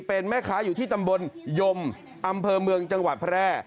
เป็นแม่ค้าอยู่ที่ตำบลยมอำเภอเมืองจังหวัดแพร่